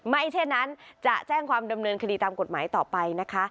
เช่นนั้นจะแจ้งความดำเนินคดีตามกฎหมายต่อไปนะคะ